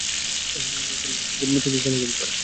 পিঙ্কি কেন প্যান্ট পরে?